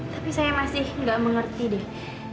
tapi saya masih nggak mengerti deh